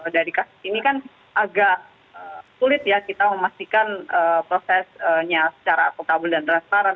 dari kasus ini kan agak sulit ya kita memastikan prosesnya secara akutabel dan transparan